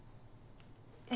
え？